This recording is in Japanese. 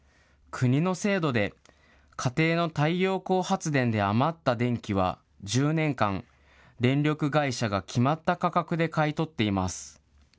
国の制度で、家庭の太陽光発電で余った電気は１０年間、電力会社が決まった価格で買い取っています。